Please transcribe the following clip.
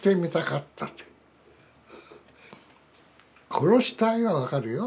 「殺したい」は分かるよ。